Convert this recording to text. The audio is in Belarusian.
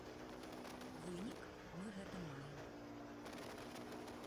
Вынік мы гэты маем.